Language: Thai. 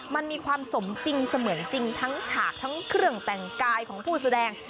มันมีความสมจริงเสมือนจริงทั้งฉากทั้งเครื่องแต่งกายของผู้แสดง